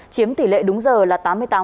chiếm tỷ lệ đúng giờ là tám mươi tám